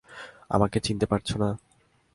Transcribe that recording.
আমাকে চিনতে পারছো না?